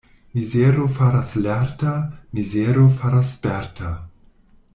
Mizero faras lerta, mizero faras sperta.